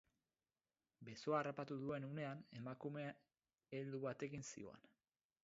Besoa harrapatu duen unean, emakume heldu batekin zihoan.